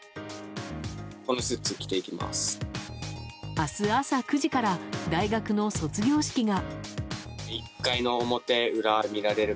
明日朝９時から大学の卒業式が。